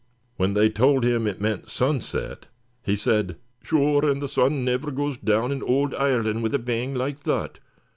When they told him it meant sunset he said " "'Sure, the sun niver goes down in ould Ireland wid a bang loike thot!'"